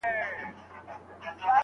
ها جلوه دار حُسن په ټوله ښاريه کې نشته